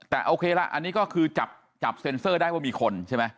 แต่โอเคละอันนี้ก็คือจับเซ็นเซอร์ได้ว่ามีคนใช่ไหม